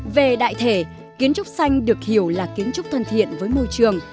về đại thể kiến trúc xanh được hiểu là kiến trúc thân thiện với môi trường